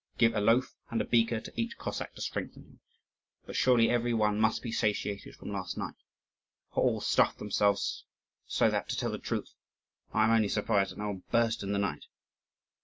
Give a loaf and a beaker to each Cossack to strengthen him. But surely every one must be satiated from last night; for all stuffed themselves so that, to tell the truth, I am only surprised that no one burst in the night.